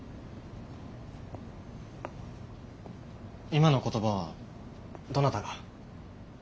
今の言葉はどなたが。